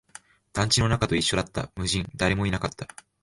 団地の中と一緒だった、無人、誰もいなかった